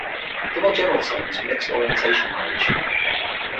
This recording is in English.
The more general term is mixed-orientation marriage.